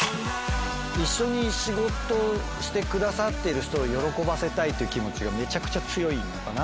一緒に仕事してくださっている人を喜ばせたいっていう気持ちがめちゃくちゃ強いのかな。